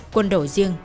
quân đội riêng